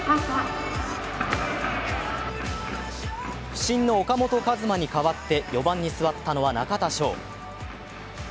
不振の岡本和真に代わって４番に座ったのは中田翔。